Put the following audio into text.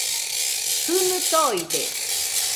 Jɨnui toide